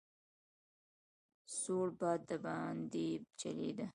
سوړ باد دباندې چلېده.